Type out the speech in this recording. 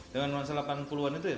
dengan nuansa delapan puluh an itu ya